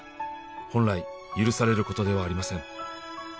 「本来許されることではありません」